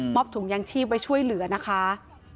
ถุงยางชีพไว้ช่วยเหลือนะคะ